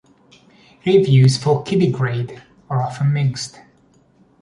Reviews for "Kiddy Grade" are often mixed.